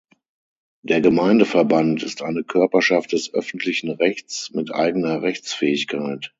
Der Gemeindeverband ist eine Körperschaft des öffentlichen Rechts mit eigener Rechtsfähigkeit.